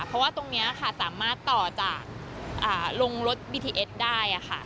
เพราะว่าตรงนี้สามารถต่อจากโรงรถบิทตีเอสได้